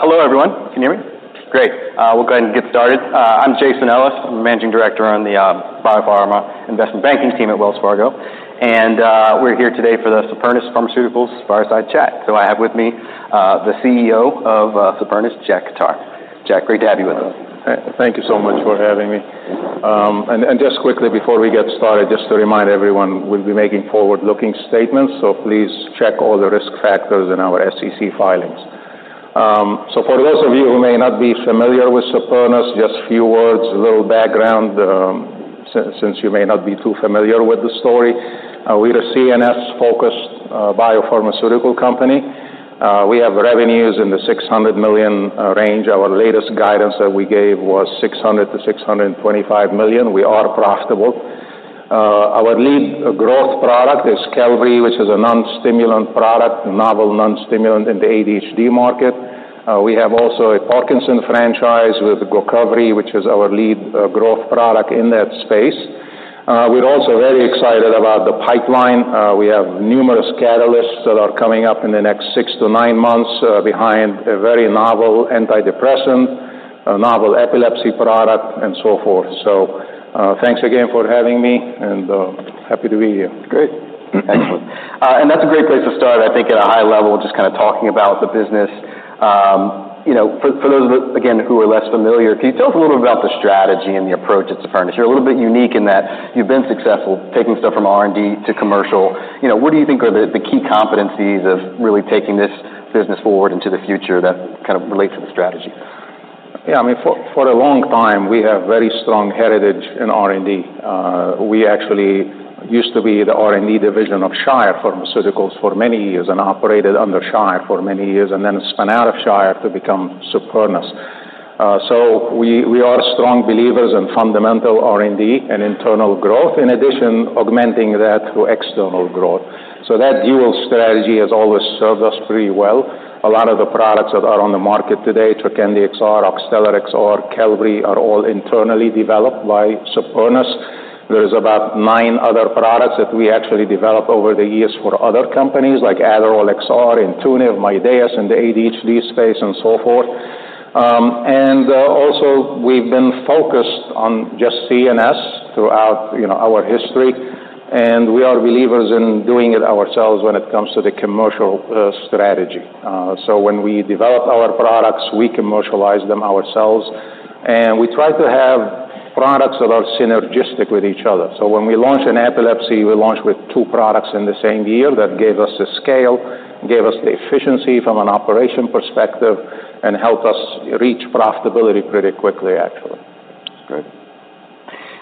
Hello, everyone. Can you hear me? Great. We'll go ahead and get started. I'm Jason Ellis. I'm Managing Director on the Biopharma Investment Banking team at Wells Fargo. And, we're here today for the Supernus Pharmaceuticals Fireside Chat. So I have with me, the CEO of Supernus, Jack Khattar. Jack, great to have you with us. Thank you so much for having me. And just quickly before we get started, just to remind everyone, we'll be making forward-looking statements, so please check all the risk factors in our SEC filings. So for those of you who may not be familiar with Supernus, just a few words, a little background, since you may not be too familiar with the story. We're a CNS-focused Biopharmaceutical company. We have revenues in the $600 million range. Our latest guidance that we gave was $600 million to $625 million. We are profitable. Our lead growth product is Qelbree, which is a non-stimulant product, a novel non-stimulant in the ADHD market. We have also a Parkinson's franchise with GOCOVRI, which is our lead growth product in that space. We're also very excited about the pipeline. We have numerous catalysts that are coming up in the next six to nine months, behind a very novel antidepressant, a novel epilepsy product, and so forth. So, thanks again for having me, and, happy to be here. Great, and that's a great place to start, I think, at a high level, just kind of talking about the business. You know, for those, again, who are less familiar, can you tell us a little bit about the strategy and the approach at Supernus? You're a little bit unique in that you've been successful taking stuff from R&D to commercial. You know, what do you think are the key competencies of really taking this business forward into the future that kind of relate to the strategy? Yeah, I mean, for a long time, we have very strong heritage in R&D. We actually used to be the R&D division of Shire Pharmaceuticals for many years and operated under Shire for many years, and then spun out of Shire to become Supernus. So we are strong believers in fundamental R&D and internal growth, in addition, augmenting that through external growth. So that dual strategy has always served us pretty well. A lot of the products that are on the market today, Trokendi XR, Oxtellar XR, Qelbree, are all internally developed by Supernus. There are about nine other products that we actually developed over the years for other companies, like Adderall XR, Intuniv, Mydayis, in the ADHD space, and so forth. And also, we've been focused on just CNS throughout, you know, our history, and we are believers in doing it ourselves when it comes to the commercial strategy. So when we develop our products, we commercialize them ourselves, and we try to have products that are synergistic with each other. So when we launched in epilepsy, we launched with two products in the same year. That gave us the scale, gave us the efficiency from an operational perspective, and helped us reach profitability pretty quickly, actually. Great.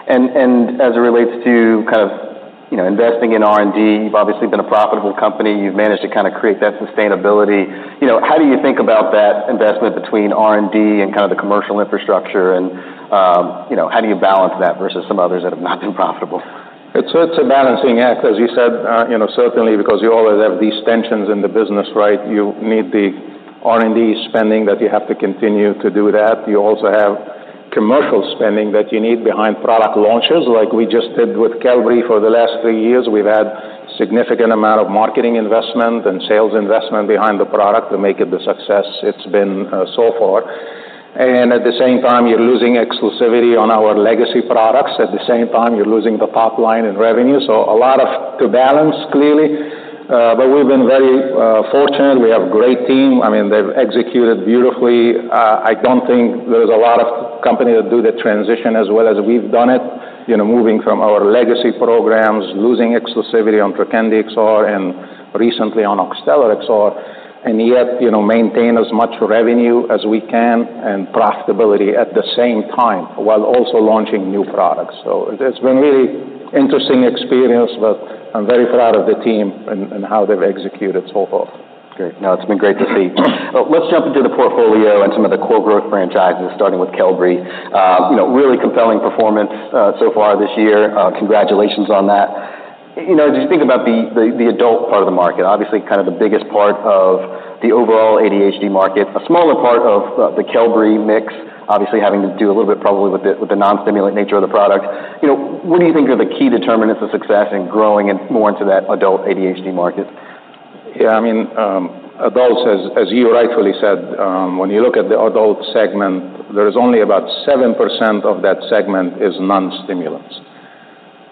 And as it relates to kind of, you know, investing in R&D, you've obviously been a profitable company. You've managed to kind of create that sustainability. You know, how do you think about that investment between R&D and kind of the commercial infrastructure, and, you know, how do you balance that versus some others that have not been profitable? It's a balancing act, as you said, you know, certainly because you always have these tensions in the business, right? You need the R&D spending, that you have to continue to do that. You also have commercial spending that you need behind product launches, like we just did with Qelbree for the last three years. We've had significant amount of marketing investment and sales investment behind the product to make it the success it's been so far, and at the same time, you're losing exclusivity on our legacy products. At the same time, you're losing the top line in revenue to balance, clearly, but we've been very fortunate. We have a great team. I mean, they've executed beautifully. I don't think there's a lot of company that do the transition as well as we've done it, you know, moving from our legacy programs, losing exclusivity on Trokendi XR and recently on Oxtellar XR, and yet, you know, maintain as much revenue as we can and profitability at the same time, while also launching new products. So it has been really interesting experience, but I'm very proud of the team and how they've executed so far. Great. Now, it's been great to see. Let's jump into the portfolio and some of the core growth franchises, starting with Qelbree. You know, really compelling performance so far this year. Congratulations on that. You know, as you think about the adult part of the market, obviously, kind of the biggest part of the overall ADHD market, a smaller part of the Qelbree mix, obviously, having to do a little bit probably with the non-stimulant nature of the product. You know, what do you think are the key determinants of success in growing it more into that adult ADHD market? Yeah, I mean, adults, as, as you rightfully said, when you look at the adult segment, there is only about 7% of that segment is non-stimulants.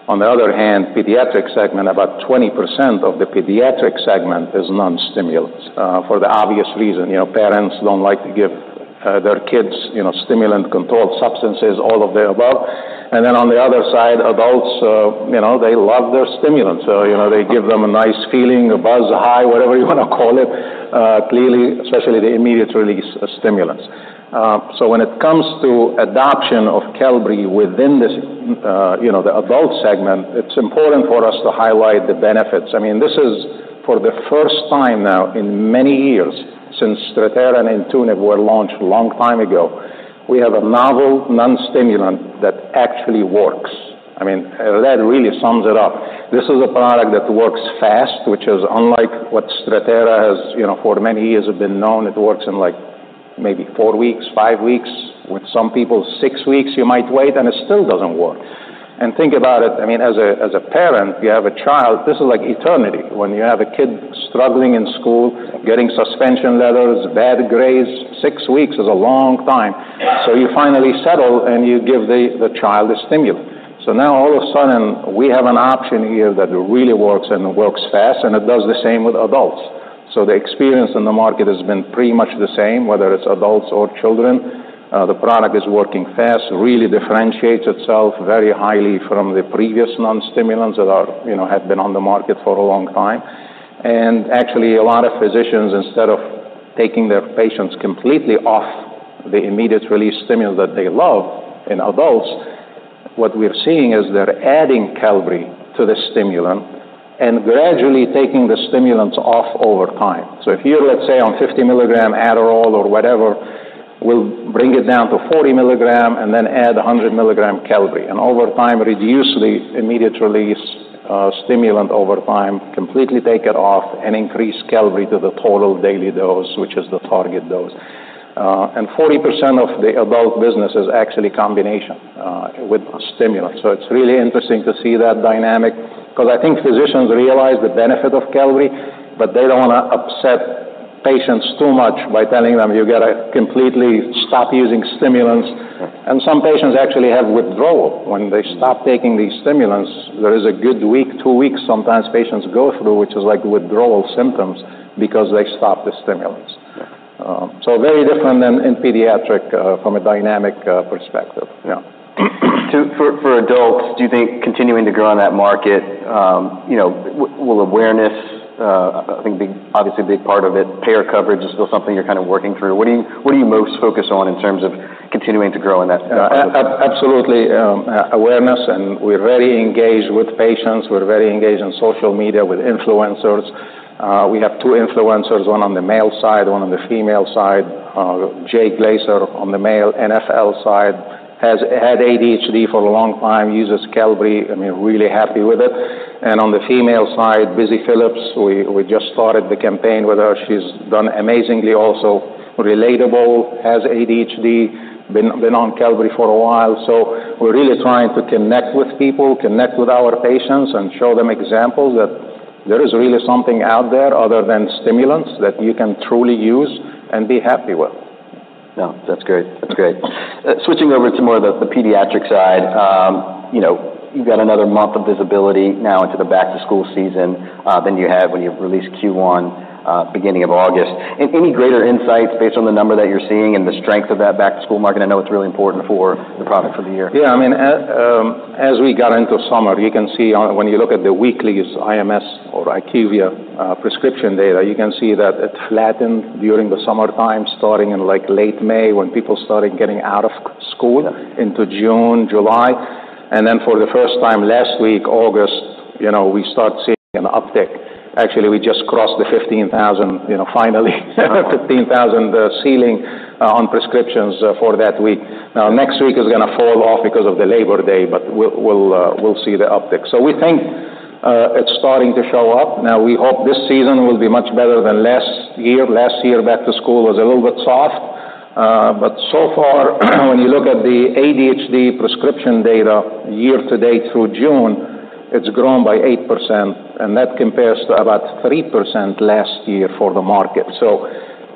On the other hand, pediatric segment, about 20% of the pediatric segment is non-stimulants, for the obvious reason. You know, parents don't like to give, their kids, you know, stimulant-controlled substances all of the above. And then on the other side, adults, you know, they love their stimulants. So, you know, they give them a nice feeling, a buzz, a high, whatever you want to call it, clearly, especially the immediate-release stimulants. So when it comes to adoption of Qelbree within this, you know, the adult segment, it's important for us to highlight the benefits. I mean, this is, for the first time now in many years, since Strattera and Intuniv were launched a long time ago, we have a novel non-stimulant that actually works. I mean, that really sums it up. This is a product that works fast, which is unlike what Strattera has, you know, for many years have been known. It works in, like, maybe four weeks, five weeks, with some people, six weeks, you might wait, and it still doesn't work.... And think about it, I mean, as a parent, you have a child, this is like eternity. When you have a kid struggling in school, getting suspension letters, bad grades, six weeks is a long time. So you finally settle, and you give the child a stimulant. So now all of a sudden, we have an option here that really works and works fast, and it does the same with adults. So the experience in the market has been pretty much the same, whether it's adults or children. The product is working fast, really differentiates itself very highly from the previous non-stimulants that are, you know, have been on the market for a long time. And actually, a lot of physicians, instead of taking their patients completely off the immediate-release stimulant that they love in adults, what we're seeing is they're adding Qelbree to the stimulant and gradually taking the stimulants off over time. So if you're, let's say, on 50 mg Adderall or whatever, we'll bring it down to 40 mg and then add a 100 mg Qelbree, and over time, reduce the immediate-release stimulant over time, completely take it off, and increase Qelbree to the total daily dose, which is the target dose. And 40% of the adult business is actually combination with stimulant. So it's really interesting to see that dynamic because I think physicians realize the benefit of Qelbree, but they don't want to upset patients too much by telling them, "You gotta completely stop using stimulants. Okay. Some patients actually have withdrawal. When they stop taking these stimulants, there is a good week, two weeks, sometimes patients go through, which is like withdrawal symptoms because they stop the stimulants. Yeah. So very different than in pediatric, from a dynamics perspective. Yeah. For adults, do you think continuing to grow in that market, you know, will awareness, I think, be obviously a big part of it? Payer coverage is still something you're kind of working through. What do you most focus on in terms of continuing to grow in that- Absolutely, awareness, and we're very engaged with patients. We're very engaged on social media with influencers. We have two influencers, one on the male side, one on the female side. Jay Glaser on the male NFL side has had ADHD for a long time, uses Qelbree. I mean, really happy with it. And on the female side, Busy Philipps. We just started the campaign with her. She's done amazingly, also relatable, has ADHD, been on Qelbree for a while. So we're really trying to connect with people, connect with our patients, and show them examples that there is really something out there other than stimulants that you can truly use and be happy with. Yeah, that's great. That's great. Switching over to more of the pediatric side, you know, you've got another month of visibility now into the back-to-school season, than you had when you released Q1, beginning of August. Any greater insights based on the number that you're seeing and the strength of that back-to-school market? I know it's really important for the product for the year. Yeah, I mean, as we got into summer, you can see when you look at the weekly IMS or IQVIA prescription data, you can see that it flattened during the summertime, starting in, like, late May, when people started getting out of school, into June, July. And then for the first time, last week, August, you know, we start seeing an uptick. Actually, we just crossed the 15,000, you know, finally, 15,000 ceiling on prescriptions for that week. Now, next week is gonna fall off because of the Labor Day, but we'll see the uptick. So we think it's starting to show up. Now, we hope this season will be much better than last year. Last year, back to school was a little bit soft. But so far, when you look at the ADHD prescription data, year to date through June, it's grown by 8%, and that compares to about 3% last year for the market. So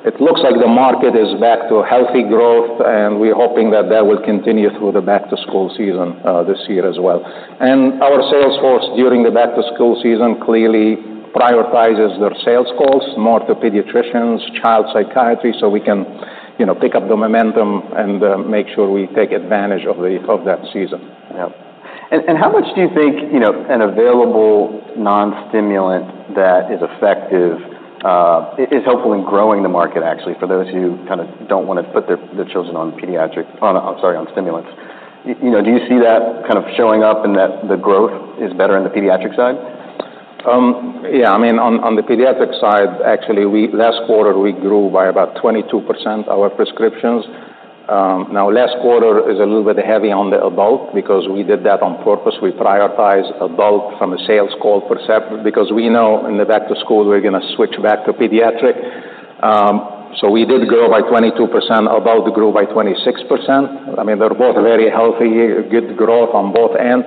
it looks like the market is back to healthy growth, and we're hoping that that will continue through the back-to-school season, this year as well. And our sales force, during the back-to-school season, clearly prioritizes their sales calls, more to pediatricians, child psychiatry, so we can, you know, pick up the momentum and make sure we take advantage of that season. Yeah. And how much do you think, you know, an available non-stimulant that is effective is helpful in growing the market, actually, for those who kind of don't want to put their children on pediatric... Sorry, on stimulants? You know, do you see that kind of showing up in that the growth is better on the pediatric side? Yeah, I mean, on the pediatric side, actually, last quarter, we grew by about 22%, our prescriptions. Now, last quarter is a little bit heavy on the adult because we did that on purpose. We prioritized adult from a sales call perspective because we know in the back to school, we're gonna switch back to pediatric. So we did grow by 22%. Adult grew by 26%. I mean, they're both very healthy, good growth on both ends,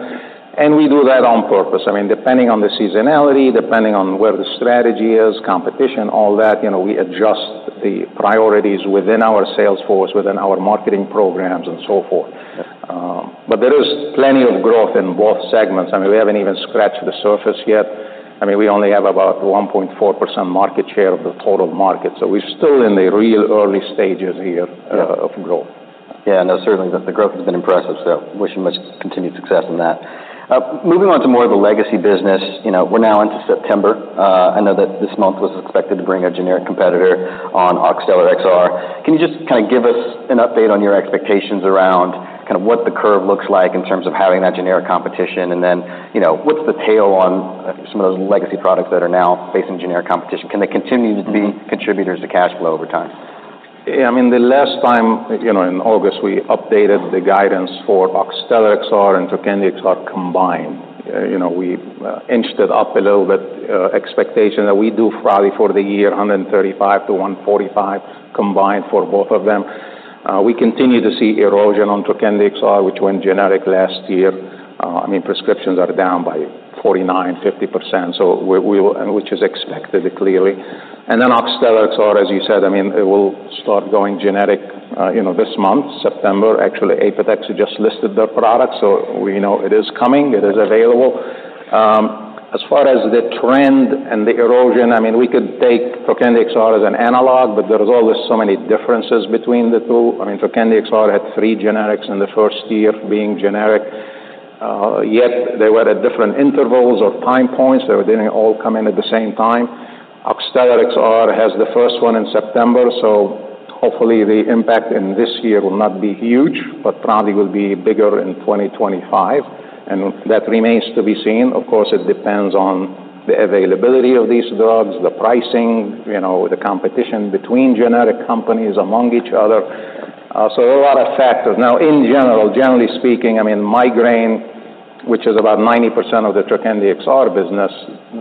and we do that on purpose. I mean, depending on the seasonality, depending on where the strategy is, competition, all that, you know, we adjust the priorities within our sales force, within our marketing programs, and so forth. Yeah. But there is plenty of growth in both segments. I mean, we haven't even scratched the surface yet. I mean, we only have about 1.4% market share of the total market, so we're still in the real early stages here- Yeah... of growth. Yeah, no, certainly the growth has been impressive, so wish you much continued success on that. Moving on to more of the legacy business, you know, we're now into September. I know that this month was expected to bring a generic competitor on Oxtellar XR. Can you just kind of give us an update on your expectations around kind of what the curve looks like in terms of having that generic competition? And then, you know, what's the tail on some of those legacy products that are now facing generic competition? Can they continue to be contributors to cash flow over time? Yeah, I mean, the last time, you know, in August, we updated the guidance for Oxtellar XR and Trokendi XR combined. You know, we inched it up a little bit, expectation that we do probably for the year, 135 to 145 combined for both of them. We continue to see erosion on Trokendi XR, which went generic last year. I mean, prescriptions are down by 49%-50%, so we will, which is expected, clearly. And then Oxtellar XR, as you said, I mean, it will start going generic, you know, this month, September. Actually, Apotex just listed their product, so we know it is coming, it is available. As far as the trend and the erosion, I mean, we could take Trokendi XR as an analog, but there is always so many differences between the two. I mean, Trokendi XR had three generics in the first year being generic, yet they were at different intervals or time points. They didn't all come in at the same time. Oxtellar XR has the first one in September, so hopefully, the impact in this year will not be huge, but probably will be bigger in 2025 and that remains to be seen. Of course, it depends on the availability of these drugs, the pricing, you know, the competition between generic companies among each other. So a lot of factors. Now, in general, generally speaking, I mean, migraine, which is about 90% of the Trokendi XR business,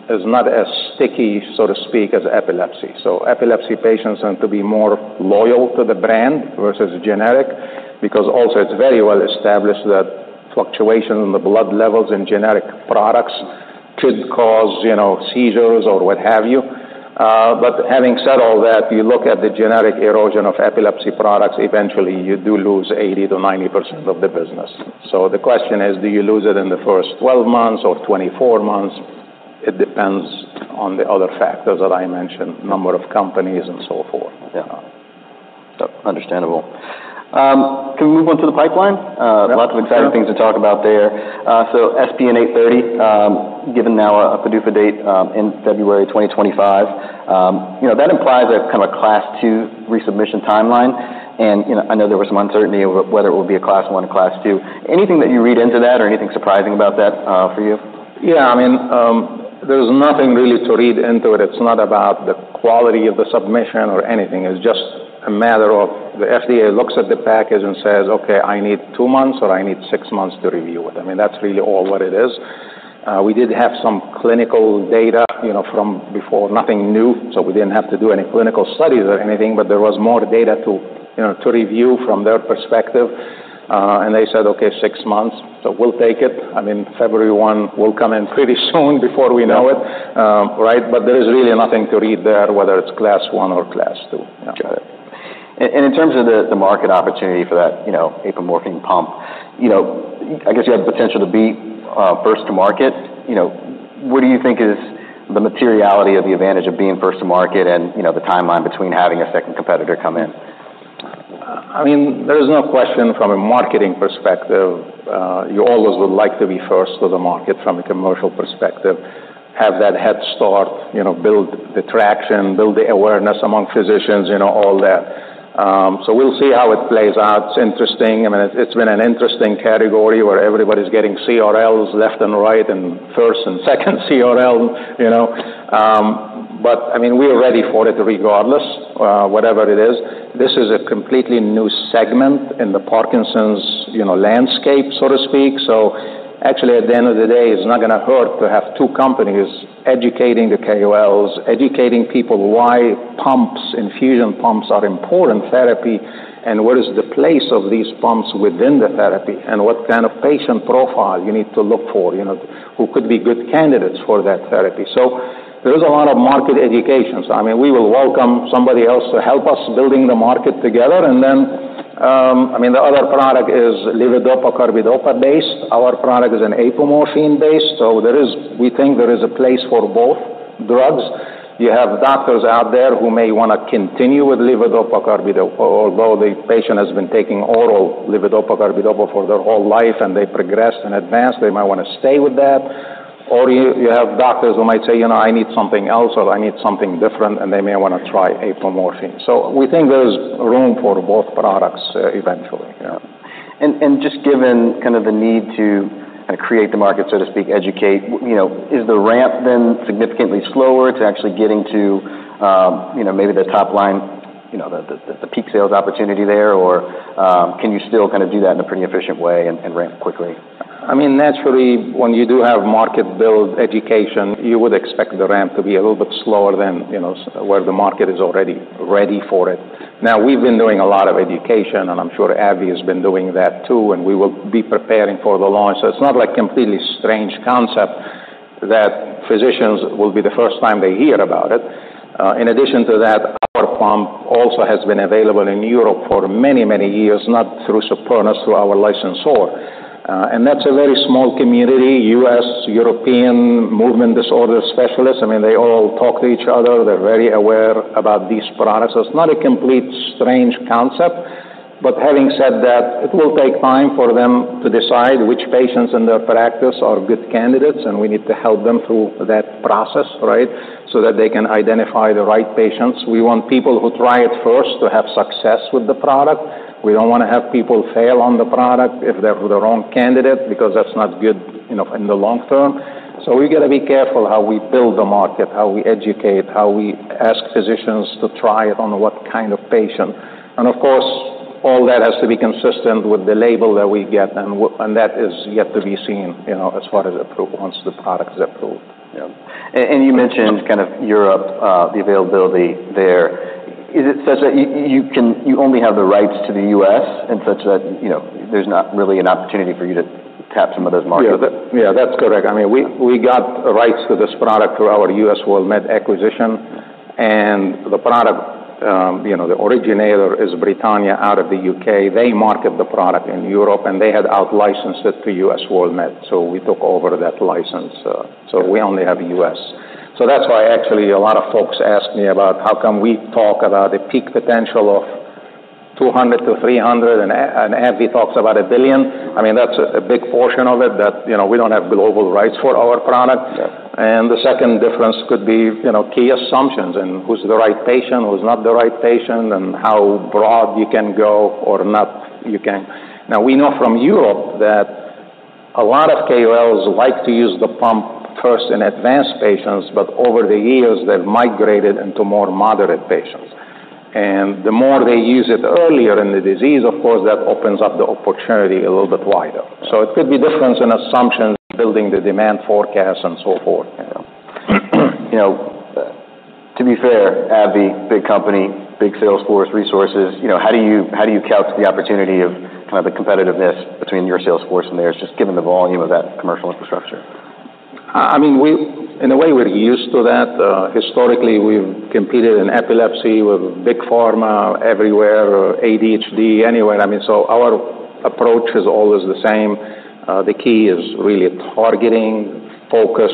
is not as sticky, so to speak, as epilepsy. So epilepsy patients tend to be more loyal to the brand versus generic, because also it's very well established that fluctuation in the blood levels in generic products could cause, you know, seizures or what have you. But having said all that, you look at the generic erosion of epilepsy products, eventually you do lose 80%-90% of the business. So the question is, do you lose it in the first 12 months or 24 months? It depends on the other factors that I mentioned, number of companies and so forth. Yeah. Understandable. Can we move on to the pipeline? Yeah, sure. Lots of exciting things to talk about there. So SPN-830, given now a PDUFA date, in February 2025, you know, that implies a kind of a Class II resubmission timeline. You know, I know there was some uncertainty over whether it would be a Class I or Class II. Anything that you read into that or anything surprising about that, for you? Yeah, I mean, there's nothing really to read into it. It's not about the quality of the submission or anything. It's just a matter of the FDA looks at the package and says, "Okay, I need two months, or I need six months to review it." I mean, that's really all what it is. We did have some clinical data, you know, from before. Nothing new, so we didn't have to do any clinical studies or anything, but there was more data to, you know, to review from their perspective. And they said, "Okay, six months," so we'll take it. I mean, February 1 will come in pretty soon before we know it, right? But there is really nothing to read there, whether it's Class I or Class II. Got it. And in terms of the market opportunity for that, you know, apomorphine pump, you know, I guess you have the potential to be first to market. You know, what do you think is the materiality of the advantage of being first to market and, you know, the timeline between having a second competitor come in? I mean, there is no question from a marketing perspective, you always would like to be first to the market from a commercial perspective, have that head start, you know, build the traction, build the awareness among physicians, you know, all that. So we'll see how it plays out. It's interesting. I mean, it's been an interesting category where everybody's getting CRLs left and right, and first and second CRL, you know. But, I mean, we are ready for it regardless, whatever it is. This is a completely new segment in the Parkinson's, you know, landscape, so to speak. So actually, at the end of the day, it's not gonna hurt to have two companies educating the KOLs, educating people why pumps, infusion pumps, are important therapy, and what is the place of these pumps within the therapy, and what kind of patient profile you need to look for, you know, who could be good candidates for that therapy. So there is a lot of market education. So I mean, we will welcome somebody else to help us building the market together. And then, I mean, the other product is levodopa carbidopa based. Our product is an apomorphine based, so there is, we think there is a place for both drugs. You have doctors out there who may wanna continue with levodopa carbidopa, although the patient has been taking oral levodopa carbidopa for their whole life, and they progressed in advance, they might wanna stay with that. Or you have doctors who might say, "You know, I need something else," or, "I need something different," and they may wanna try apomorphine. So we think there's room for both products, eventually. Yeah. And just given kind of the need to create the market, so to speak, educate, you know, is the ramp then significantly slower to actually getting to, you know, maybe the top line, you know, the peak sales opportunity there? Or can you still kind of do that in a pretty efficient way and ramp quickly? I mean, naturally, when you do have market build education, you would expect the ramp to be a little bit slower than, you know, where the market is already ready for it. Now, we've been doing a lot of education, and I'm sure AbbVie has been doing that, too, and we will be preparing for the launch. So it's not like a completely strange concept that physicians will be the first time they hear about it. In addition to that, our pump also has been available in Europe for many, many years, not through Supernus, through our licensor. And that's a very small community, U.S., European, movement disorder specialists. I mean, they all talk to each other. They're very aware about these products. So it's not a complete strange concept. But having said that, it will take time for them to decide which patients in their practice are good candidates, and we need to help them through that process, right? So that they can identify the right patients. We want people who try it first to have success with the product. We don't wanna have people fail on the product if they're the wrong candidate, because that's not good, you know, in the long term. So we gotta be careful how we build the market, how we educate, how we ask physicians to try it on what kind of patient. And of course, all that has to be consistent with the label that we get, and that is yet to be seen, you know, as far as approval, once the product is approved. Yeah. You mentioned kind of Europe, the availability there. Is it such that you can only have the rights to the U.S., and such that, you know, there's not really an opportunity for you to tap some of those markets? Yeah, that's correct. I mean, we got the rights to this product through our US WorldMeds acquisition. And the product, you know, the originator is Britannia out of the U.K. They market the product in Europe, and they had out licensed it to US WorldMeds, so we took over that license. So we only have U.S. So that's why actually a lot of folks ask me about how come we talk about a peak potential of $200 million-$300 million, and AbbVie talks about $1 billion. I mean, that's a big portion of it that, you know, we don't have global rights for our product. Yes. And the second difference could be, you know, key assumptions, and who's the right patient, who's not the right patient, and how broad you can go or not you can. Now, we know from Europe that a lot of KOLs like to use the pump first in advanced patients, but over the years, they've migrated into more moderate patients. And the more they use it earlier in the disease, of course, that opens up the opportunity a little bit wider. So it could be difference in assumptions, building the demand forecast, and so forth, you know. You know, to be fair, AbbVie, big company, big sales force, resources, you know, how do you, how do you calculate the opportunity of kind of the competitiveness between your sales force and theirs, just given the volume of that commercial infrastructure? I mean, in a way, we're used to that. Historically, we've competed in epilepsy with big pharma everywhere, or ADHD, anywhere. I mean, so our approach is always the same. The key is really targeting, focus,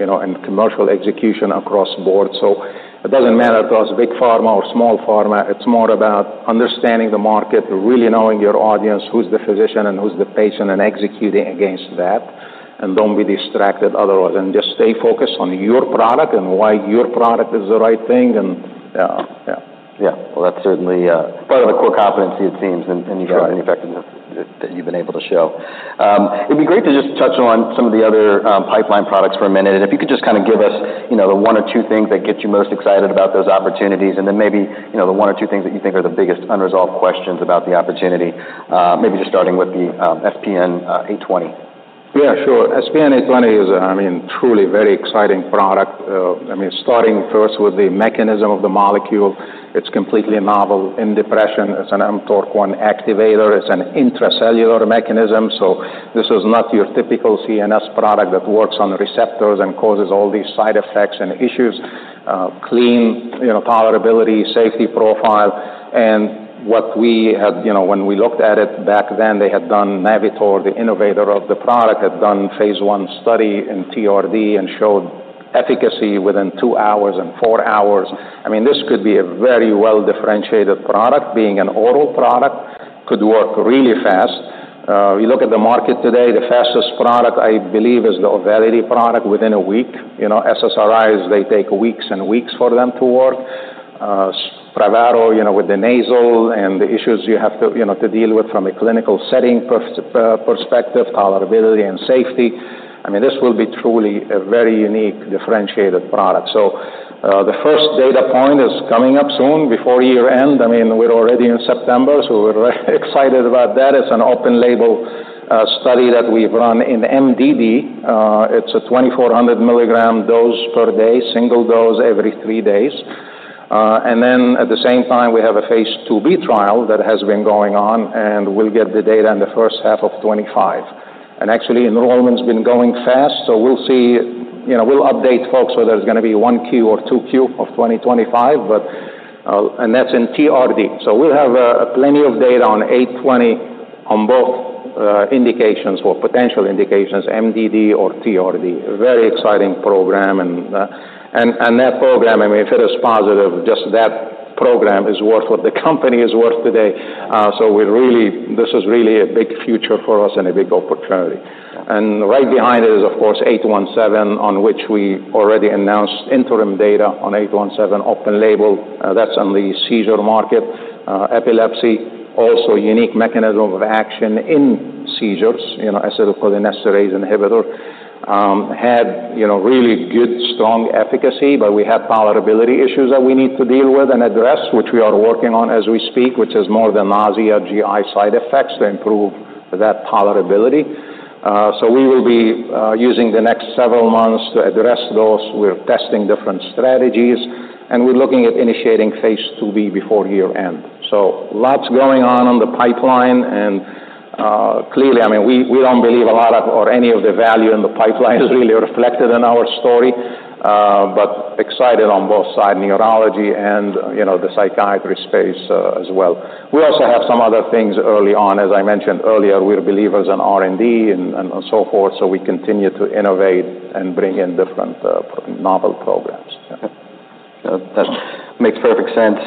you know, and commercial execution across board. So it doesn't matter to us, big pharma or small pharma, it's more about understanding the market, really knowing your audience, who's the physician and who's the patient, and executing against that. And don't be distracted otherwise, and just stay focused on your product and why your product is the right thing and- Yeah. Yeah. Yeah. Well, that's certainly part of the core competency, it seems, in effectiveness- Sure that you've been able to show. It'd be great to just touch on some of the other pipeline products for a minute. If you could just kind of give us, you know, the one or two things that get you most excited about those opportunities, and then maybe, you know, the one or two things that you think are the biggest unresolved questions about the opportunity, maybe just starting with the SPN-820. Yeah, sure. SPN-820 is, I mean, truly a very exciting product. I mean, starting first with the mechanism of the molecule, it's completely novel. In depression, it's an mTORC1 activator. It's an intracellular mechanism, so this is not your typical CNS product that works on receptors and causes all these side effects and issues. Clean, you know, tolerability, safety profile. And what we had... You know, when we looked at it back then, they had done Navitor, the innovator of the product, had done phase one study in TRD and showed efficacy within two hours and four hours. I mean, this could be a very well-differentiated product. Being an oral product, could work really fast. You look at the market today, the fastest product, I believe, is the Auvelity product within a week. You know, SSRIs, they take weeks and weeks for them to work. SPRAVATO, you know, with the nasal and the issues you have to, you know, to deal with from a clinical setting perspective, tolerability and safety. I mean, this will be truly a very unique, differentiated product. The first data point is coming up soon before year-end. I mean, we're already in September, so we're excited about that. It's an open label study that we've run in MDD. It's a 2,400 mg dose per day, single dose every three days. And then at the same time, we have a phase IIb trial that has been going on, and we'll get the data in the first half of 2025. And actually, enrollment's been going fast, so we'll see, you know, we'll update folks whether it's gonna be Q1 or Q2 of 2025, but, and that's in TRD. So we'll have plenty of data on eight twenty on both indications or potential indications, MDD or TRD. A very exciting program. And that program, I mean, if it is positive, just that program is worth what the company is worth today. So we're really. This is really a big future for us and a big opportunity. And right behind it is, of course, eight one seven, on which we already announced interim data on eight one seven, open label. That's on the seizure market, epilepsy, also unique mechanism of action in seizures, you know, acetylcholinesterase inhibitor. Had you know, really good, strong efficacy, but we have tolerability issues that we need to deal with and address, which we are working on as we speak, which is more the nausea, GI side effects to improve that tolerability. We will be using the next several months to address those. We're testing different strategies, and we're looking at initiating phase IIB before year-end. Lots going on in the pipeline, and clearly, I mean, we don't believe a lot of or any of the value in the pipeline is really reflected in our story. But excited on both sides, neurology and, you know, the psychiatry space, as well. We also have some other things early on. As I mentioned earlier, we're believers in R&D and so forth, so we continue to innovate and bring in different novel programs. Okay. That makes perfect sense.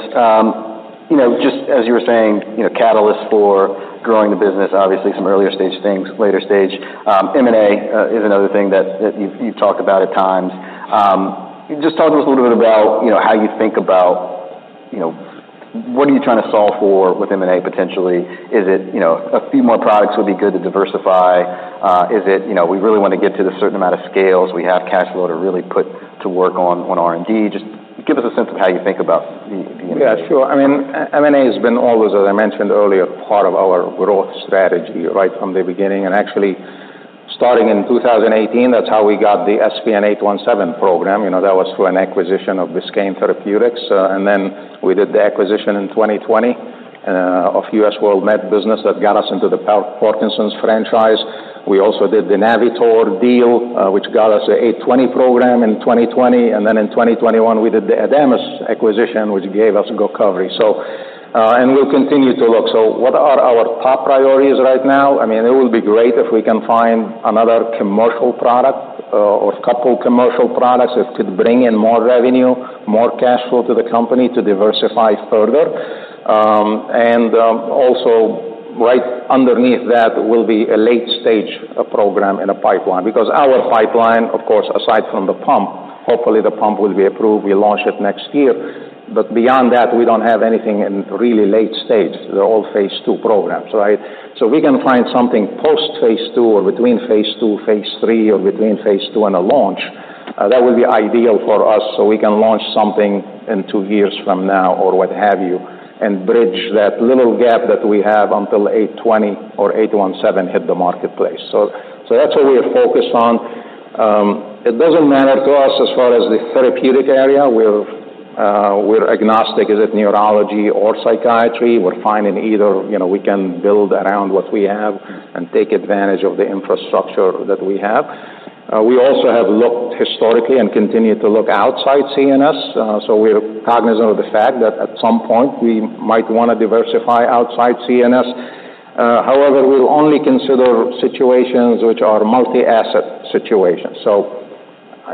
You know, just as you were saying, you know, catalyst for growing the business, obviously some earlier stage things, later stage. M&A is another thing that you've talked about at times. Just talk to us a little bit about, you know, how you think about, you know, what are you trying to solve for with M&A potentially? Is it, you know, a few more products would be good to diversify? Is it, you know, we really want to get to the certain amount of scales, we have cash flow to really put to work on R&D? Just give us a sense of how you think about the M&A. Yeah, sure. I mean, M&A has been always, as I mentioned earlier, part of our growth strategy right from the beginning. And actually, starting in 2018, that's how we got the SPN-817 program. You know, that was through an acquisition of Biscayne Therapeutics, and then we did the acquisition in 2020 of US WorldMeds business that got us into the Parkinson's franchise. We also did the Navitor deal, which got us the SPN-820 program in 2020, and then in 2021, we did the Adamas acquisition, which gave us GOCOVRI. So, and we'll continue to look. So what are our top priorities right now? I mean, it will be great if we can find another commercial product, or couple commercial products that could bring in more revenue, more cash flow to the company to diversify further. And, also, right underneath that will be a late-stage program in a pipeline. Because our pipeline, of course, aside from the pump, hopefully, the pump will be approved, we launch it next year. But beyond that, we don't have anything in really late stage. They're all phase II programs, right? So we can find something post-phase II or between phase II, phase III, or between phase II and a launch, that will be ideal for us, so we can launch something in two years from now or what have you, and bridge that little gap that we have until SPN-820 or SPN-817 hit the marketplace. So that's what we are focused on. It doesn't matter to us as far as the therapeutic area. We're agnostic. Is it neurology or psychiatry? We're fine in either, you know, we can build around what we have and take advantage of the infrastructure that we have. We also have looked historically and continue to look outside CNS, so we're cognizant of the fact that at some point, we might wanna diversify outside CNS. However, we'll only consider situations which are multi-asset situations. So,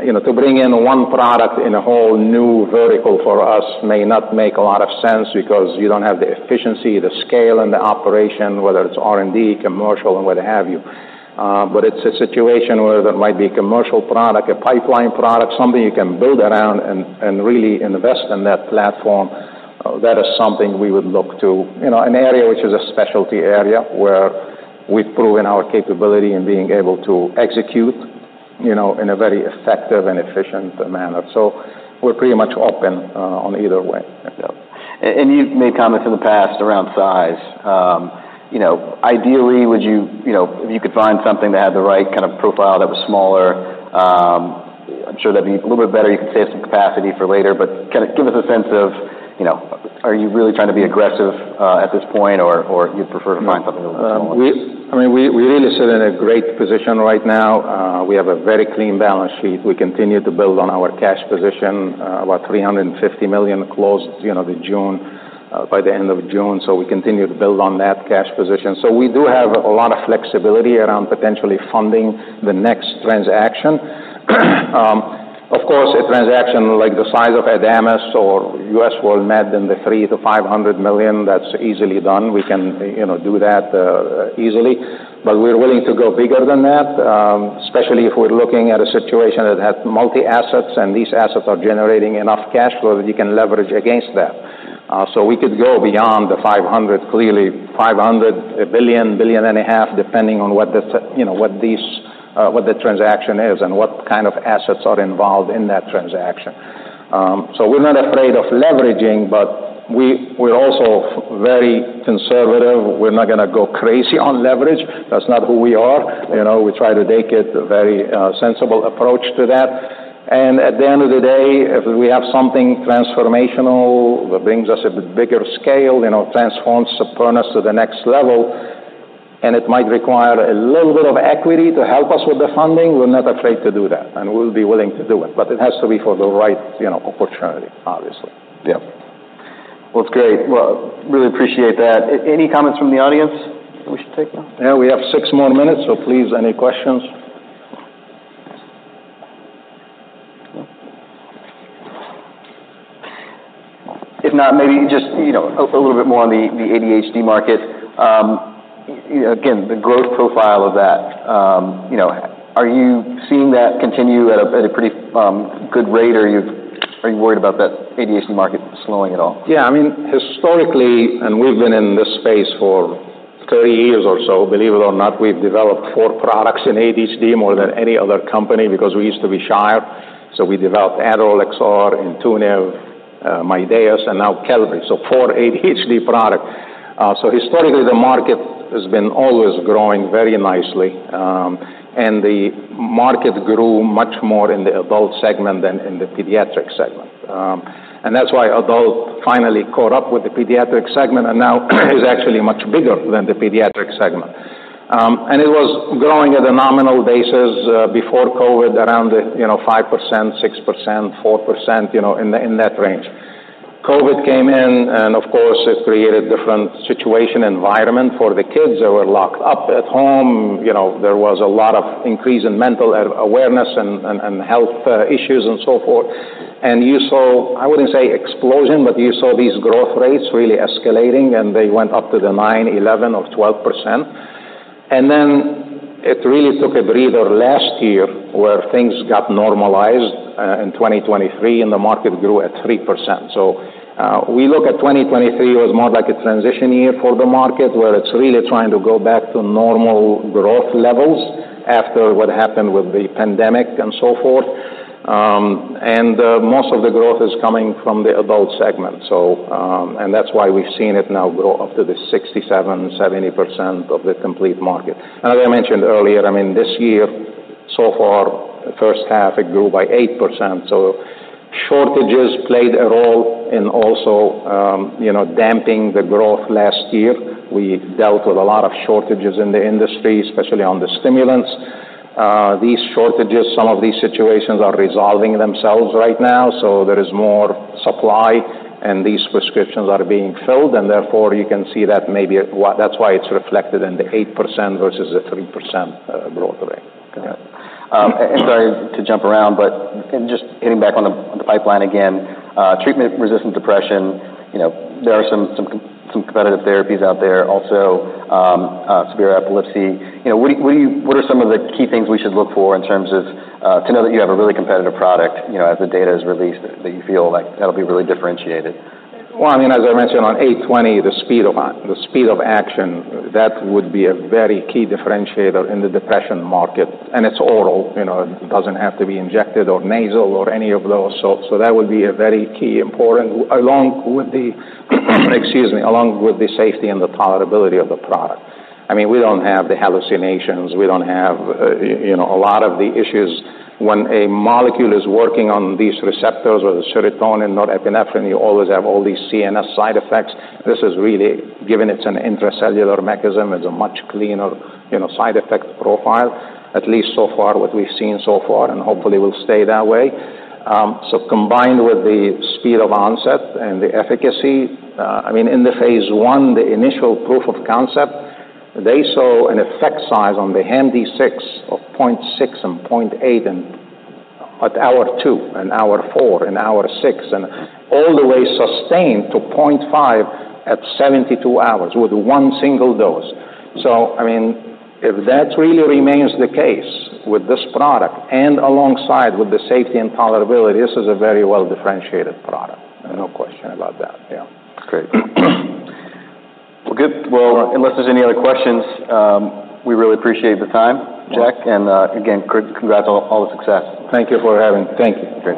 you know, to bring in one product in a whole new vertical for us may not make a lot of sense because you don't have the efficiency, the scale, and the operation, whether it's R&D, commercial, or what have you. But it's a situation whether it might be a commercial product, a pipeline product, something you can build around and really invest in that platform, that is something we would look to. You know, an area which is a specialty area, where we've proven our capability in being able to execute, you know, in a very effective and efficient manner. So we're pretty much open, on either way, I feel. And you've made comments in the past around size. You know, ideally, would you, you know, if you could find something that had the right kind of profile that was smaller, I'm sure that'd be a little bit better. You could save some capacity for later, but kind of give us a sense of, you know, are you really trying to be aggressive at this point, or you'd prefer to find something a little smaller? We really sit in a great position right now. We have a very clean balance sheet. We continue to build on our cash position, about $350 million close to the end of June, so we continue to build on that cash position. So we do have a lot of flexibility around potentially funding the next transaction. Of course, a transaction like the size of Adamas or US WorldMeds in the $300 million-$500 million, that's easily done. We can, you know, do that, easily. But we're willing to go bigger than that, especially if we're looking at a situation that has multi-assets, and these assets are generating enough cash flow that you can leverage against that. So we could go beyond the 500, clearly, five hundred, a billion, billion and a half, depending on what the, you know, what these what the transaction is and what kind of assets are involved in that transaction. So we're not afraid of leveraging, but we're also very conservative. We're not gonna go crazy on leverage. That's not who we are. You know, we try to take a very sensible approach to that. And at the end of the day, if we have something transformational that brings us a bigger scale, you know, transforms put us to the next level, and it might require a little bit of equity to help us with the funding, we're not afraid to do that, and we'll be willing to do it. But it has to be for the right, you know, opportunity, obviously. Yeah. It's great. Really appreciate that. Any comments from the audience that we should take now? Yeah, we have six more minutes, so please, any questions? If not, maybe just, you know, a little bit more on the ADHD market. Again, the growth profile of that, you know, are you seeing that continue at a pretty good rate, or are you worried about that ADHD market slowing at all? Yeah, I mean, historically, and we've been in this space for 30 years or so, believe it or not, we've developed four products in ADHD, more than any other company because we used to be Shire. So we developed Adderall XR, Intuniv, Mydayis, and now Qelbree. So four ADHD product. So historically, the market has been always growing very nicely, and the market grew much more in the adult segment than in the pediatric segment. And that's why adult finally caught up with the pediatric segment, and now is actually much bigger than the pediatric segment. And it was growing at a nominal basis, before COVID, around the, you know, 5%, 6%, 4%, you know, in the, in that range. COVID came in, and of course, it created different situation, environment for the kids that were locked up at home. You know, there was a lot of increase in mental awareness and health issues and so forth. You saw, I wouldn't say explosion, but you saw these growth rates really escalating, and they went up to the 9%, 11% or 12%. Then it really took a breather last year, where things got normalized in 2023, and the market grew at 3%. We look at 2023 as more like a transition year for the market, where it's really trying to go back to normal growth levels after what happened with the pandemic and so forth. Most of the growth is coming from the adult segment. That's why we've seen it now grow up to the 67%, 70% of the complete market. As I mentioned earlier, I mean, this year, so far, the first half, it grew by 8%. So shortages played a role in also damping the growth last year. We dealt with a lot of shortages in the industry, especially on the stimulants. These shortages, some of these situations are resolving themselves right now, so there is more supply, and these prescriptions are being filled, and therefore, you can see that maybe that's why it's reflected in the 8% versus the 3% growth rate. And sorry to jump around, but just hitting back on the pipeline again, treatment-resistant depression, you know, there are some competitive therapies out there also, severe epilepsy. You know, what are some of the key things we should look for in terms of to know that you have a really competitive product, you know, as the data is released, that you feel like that'll be really differentiated? Well, I mean, as I mentioned, on SPN-820, the speed of action, that would be a very key differentiator in the depression market, and it's oral, you know, it doesn't have to be injected or nasal or any of those. So that would be a very key important along with the, excuse me, along with the safety and the tolerability of the product. I mean, we don't have the hallucinations, we don't have, you know, a lot of the issues. When a molecule is working on these receptors, whether serotonin, norepinephrine, you always have all these CNS side effects. This is really, given it's an intracellular mechanism, it's a much cleaner, you know, side effect profile, at least so far, what we've seen so far, and hopefully will stay that way. Combined with the speed of onset and the efficacy, I mean, in the phase I, the initial proof of concept, they saw an effect size on the HAMD-6 of 0.6 and 0.8 at hour two, and hour four, and hour six, and all the way sustained to 0.5 at 72 hours with one single dose. So I mean, if that really remains the case with this product and alongside with the safety and tolerability, this is a very well-differentiated product. No question about that. Yeah. Great. Well, good. Well, unless there's any other questions, we really appreciate the time, Jack, and, again, congrats on all the success. Thank you for having me. Thank you.